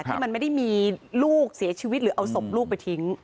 ที่มันไม่ได้มีลูกเสียชีวิตหรือเอาศพลูกไปทิ้ง